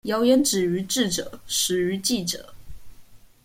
謠言止於智者，始於記者